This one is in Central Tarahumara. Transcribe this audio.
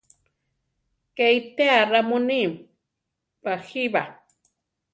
¡Ké itéa ra muní ! baʼjí ba!